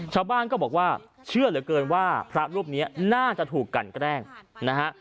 ชาวบ้านก็บอกว่าเชื่อเหลือเกินว่าพระรูปนี้น่าจะถูกกันแกล้งนะฮะ